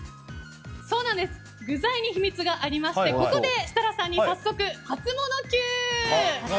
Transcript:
具材に秘密がありまして設楽さんに早速ハツモノＱ！